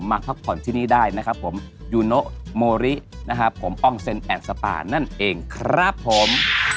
พักผ่อนที่นี่ได้นะครับผมยูโนโมรินะครับผมอ้อมเซ็นแอดสปานั่นเองครับผม